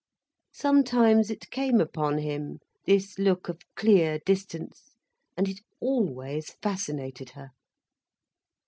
Sometimes it came upon him, this look of clear distance, and it always fascinated her.